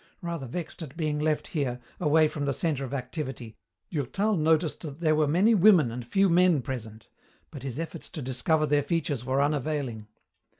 Rather vexed at being left here, away from the centre of activity, Durtal noticed that there were many women and few men present, but his efforts to discover their features were unavailing.